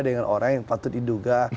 dengan orang yang patut diduga